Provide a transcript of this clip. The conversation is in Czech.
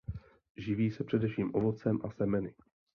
Živí se především ovocem a semeny.